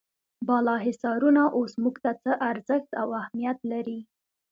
بالا حصارونه اوس موږ ته څه ارزښت او اهمیت لري.